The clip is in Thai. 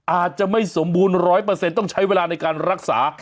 อาจจะไม่สมบูรณ์๑๐๐ต้องใช้เวลาในการรักษา